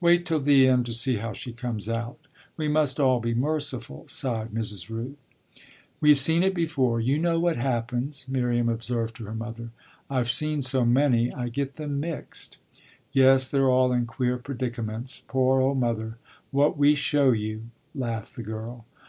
"Wait till the end, to see how she comes out. We must all be merciful!" sighed Mrs. Rooth. "We've seen it before; you know what happens," Miriam observed to her mother. "I've seen so many I get them mixed." "Yes, they're all in queer predicaments. Poor old mother what we show you!" laughed the girl.